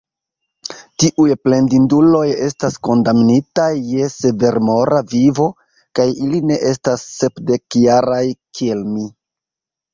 Tiuj plendinduloj estas kondamnitaj je severmora vivo, kaj ili ne estas sepdekjaraj, kiel mi.